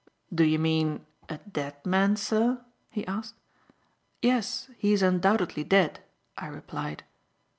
"Do you mean a dead man, sir?" he asked. "Yes, he is undoubtedly dead," I replied.